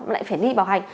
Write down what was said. lại phải đi bảo hành